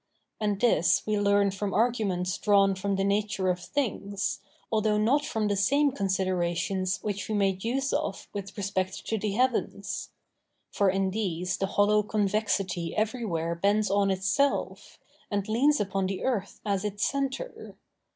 And this we learn from arguments drawn from the nature of things, although not from the same considerations which we made use of with respect to the heavens. For in these the hollow convexity everywhere bends on itself, and leans upon the earth as its centre.